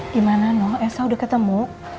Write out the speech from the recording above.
gimana no elsa udah ketemu